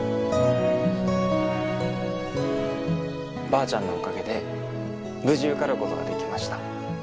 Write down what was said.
ばあちゃんのおかげで無事受かることができました。